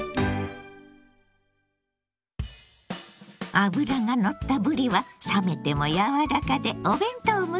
脂がのったぶりは冷めても柔らかでお弁当向き。